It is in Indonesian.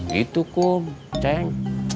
gitu kum ceng